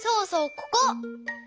ここ！